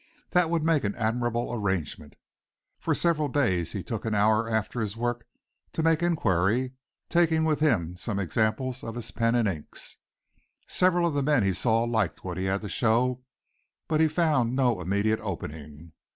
That would make an admirable arrangement. For several days he took an hour after his work to make inquiry, taking with him some examples of his pen and inks. Several of the men he saw liked what he had to show, but he found no immediate opening.